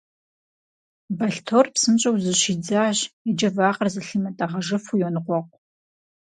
Бэлътор псынщӀэу зыщидзащ, иджы вакъэр зылъимытӀэгъэжыфу йоныкъуэкъу.